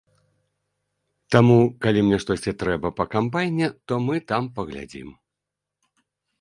Таму, калі мне штосьці трэба па камбайне, то мы там паглядзім.